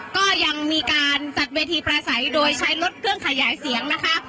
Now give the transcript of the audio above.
ก็ยังมีการจัดเวทีประสัยโดยใช้รถเครื่องขยายเสียงนะคะ